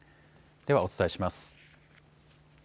ではお伝えします。